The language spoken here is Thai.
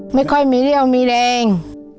ไม่ค่อยมีเรี่ยวมีแรง